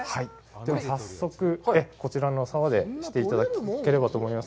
では早速、こちらの沢でしていただければと思います。